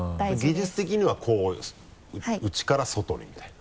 技術的にはこう内から外にみたいな？